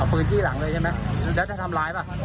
ปืนจี้หลังเลยใช่ไหมแล้วจะทำร้ายป่ะ